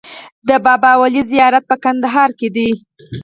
د بابای ولي زیارت په کندهار کې دی